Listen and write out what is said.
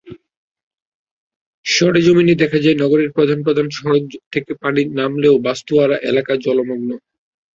সরেজমিনে দেখা যায়, নগরের প্রধান প্রধান সড়ক থেকে পানি নামলেও বাস্তুহারা এলাকা জলমগ্ন।